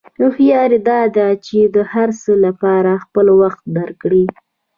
هوښیاري دا ده چې د هر څه لپاره خپل وخت درک کړې.